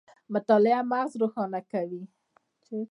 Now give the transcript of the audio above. مطالعه مغز روښانه کوي